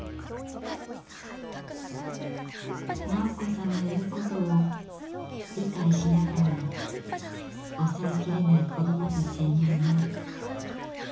斉子さんの言うことを理解しながらも抑えきれない子どもたちへの思い。